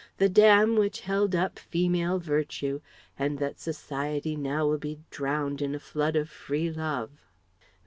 the dam which held up female virtue, and that Society now will be drowned in a flood of Free Love..."